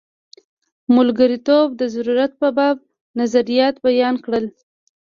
ملګرتوب د ضرورت په باب نظریات بیان کړل.